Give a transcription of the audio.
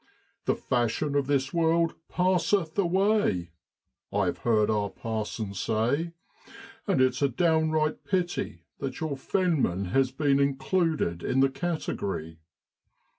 'The fashion of this world passeth away,' I've heard our parson say, and it's a downright pity that your fenman has been included in the category.